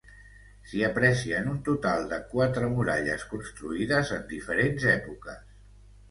S'hi aprecien un total de quatre muralles construïdes en diferents èpoques.